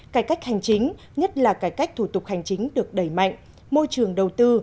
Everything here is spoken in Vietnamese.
cải cách hành chính nhất là cải cách thủ tục hành chính được đẩy mạnh môi trường đầu tư